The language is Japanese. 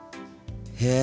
へえ。